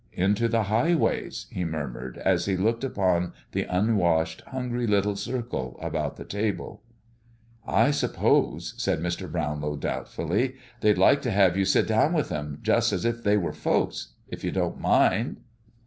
"'Into the highways'!" he murmured, as he looked upon the unwashed, hungry little circle about the table. "I s'pose," said Mr. Brownlow doubtfully, "they'd like to have you sit down with 'em, just 's if they were folks if you didn't mind?"